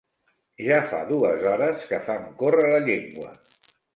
Ja fa dues hores que fan córrer la llengua.